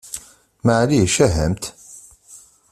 Maɛlic, ahamt!